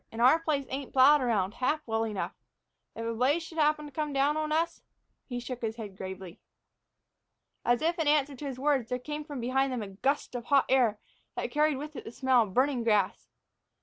And our place ain't plowed around half well enough. If a blaze should happen to come down on us" he shook his head gravely. As if in answer to his words, there came from behind them a gust of hot air that carried with it the smell of burning grass.